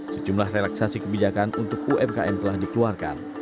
sejumlah relaksasi kebijakan untuk umkm telah dikeluarkan